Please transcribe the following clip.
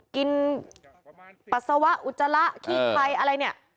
กินปรัสสาวะอุจจาระขี้ไพรอะไรนี่